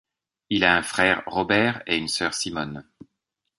Il a un frère, Robert, et une sœur, Simone.